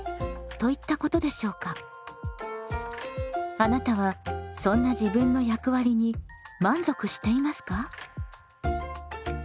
あなたはそんな自分の役割に満足していますか？